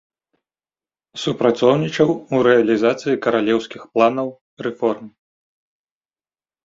Супрацоўнічаў у рэалізацыі каралеўскіх планаў рэформ.